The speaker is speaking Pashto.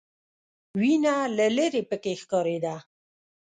وینه له ليرې پکې ښکارېده.